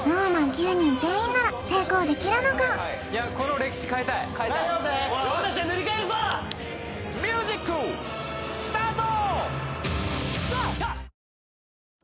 ９人全員なら成功できるのかいやこの歴史変えたいよし俺たちが塗り替えるぞミュージックスタート